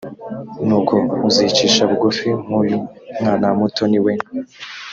nuko uzicisha bugufi nk uyu mwana muto ni we